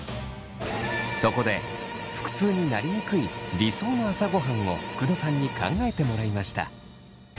そこで腹痛になりにくい理想の朝ごはんを福土さんに考えてもらいました。